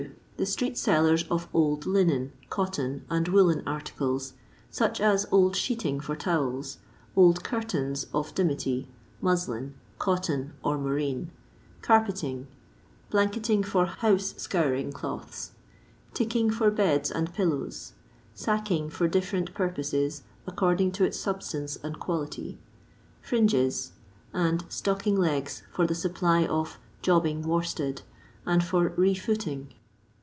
The Street'SelUrs of Old Linen, Cotton, and Woollen Articles, such as old sheeting for towels; old curtains of dimity, muslin, cotton, or moreen ; carpeting ; blanketing for house scouring cloths ; ticking for beds and pillows ; sacking for different purposes, according to its substance and quality ; fringes ; and stocking legs for the supply of " job bing worsted," and for re fuoting.